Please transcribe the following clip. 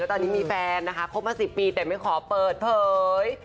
ตอนนี้มีแฟนนะคะคบมา๑๐ปีแต่ไม่ขอเปิดเผย